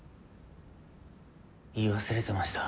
言い忘れてました。